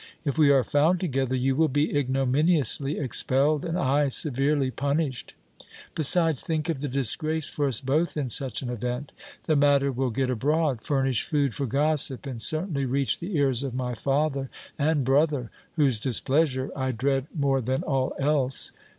If we are found together, you will be ignominiously expelled and I severely punished. Besides, think of the disgrace for us both in such an event! The matter will get abroad, furnish food for gossip and certainly reach the ears of my father and brother, whose displeasure I dread more than all else!